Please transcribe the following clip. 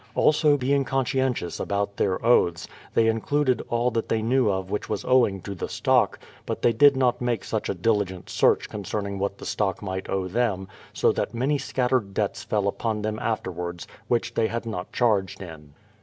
Also, being con scientious about their oaths, they included all that they knew of which was owing to the stock, but they did not make THE PLYMOUTH SETTLEMENT S07 such a diligent search concerning what the stock might owe them, so that many scattered debts fell upon them after wards, which they had not charged in.